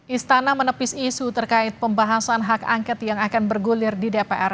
istana menepis isu terkait pembahasan hak angket yang akan bergulir di dpr